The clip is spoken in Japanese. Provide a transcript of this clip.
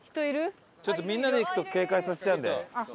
ちょっとみんなで行くと警戒させちゃうんで。